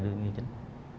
đương nhiên chính